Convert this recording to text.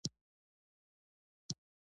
زرغون خان نورزى دېوان لرونکی شاعر دﺉ.